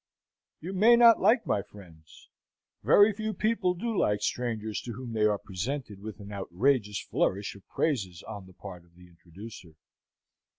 You may not like my friends; very few people do like strangers to whom they are presented with an outrageous flourish of praises on the part of the introducer.